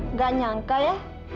nggak nyangka ya